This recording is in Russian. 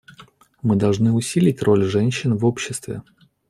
Мы должны усилить роль женщин в обществе.